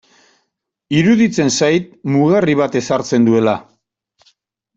Iruditzen zait mugarri bat ezartzen duela.